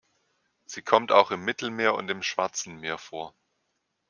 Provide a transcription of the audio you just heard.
Sie kommt auch im Mittelmeer und im Schwarzen Meer vor.